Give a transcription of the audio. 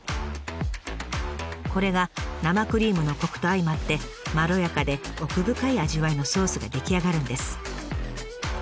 これが生クリームのコクと相まってまろやかで奥深い味わいのソースが出来上がるんです。